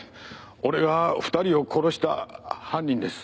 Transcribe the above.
俺が２人を殺した犯人です。